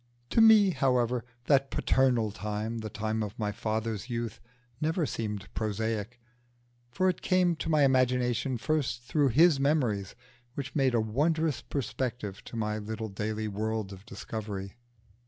To me, however, that paternal time, the time of my father's youth, never seemed prosaic, for it came to my imagination first through his memories, which made a wondrous perspective to my little daily world of discovery.